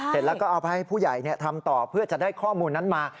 เสร็จแล้วก็เอาไปให้ผู้ใหญ่ทำต่อเพื่อจะได้ข้อมูลนั้นมา